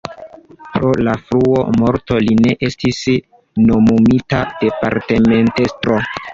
Pro la frua morto li ne estis nomumita departementestro.